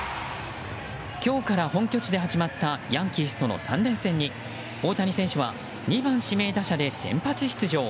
今日から本拠地で始まったヤンキースとの３連戦に大谷選手は２番指名打者で先発出場。